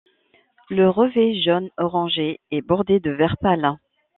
Le revers, jaune orangé est bordé de vert pâle.